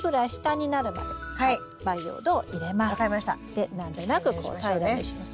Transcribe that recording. で何となくこう平らにします。